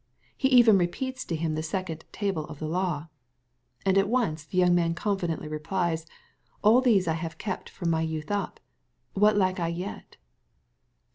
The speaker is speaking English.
He even repeats to him the second table of the law. — And at once the young man confidently replies, "All these have I kept from my youth up : what lack I yet